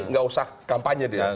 tidak usah kampanye